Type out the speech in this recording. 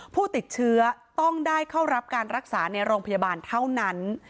ผู้ติดเชื้อต้องได้เข้ารับการรักษาในโรงพยาบาลเท่านั้น